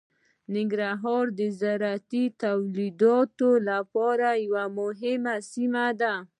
ننګرهار د زراعتي تولیداتو لپاره یوه مهمه سیمه ده.